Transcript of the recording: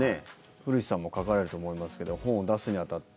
古市さんも書かれると思いますが本を出すに当たって。